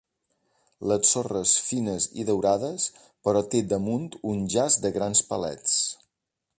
Les sorres fines i daurades però té damunt un jaç de grans palets.